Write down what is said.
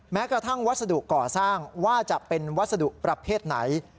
แม้กระทั่งวัสดุก่อสร้างว่าจะเป็นวัสดุประเภทไหน